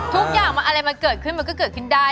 ทุกอย่างอะไรมันเกิดขึ้นมันก็เกิดขึ้นได้